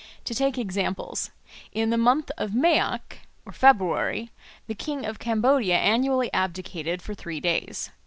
To take examples. In the month of Méac (February) the king of Cambodia annually abdicated for three days.